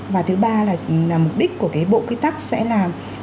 và thứ ba là mục đích của cái bộ quy tắc sẽ làm